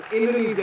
kenapa masih cinta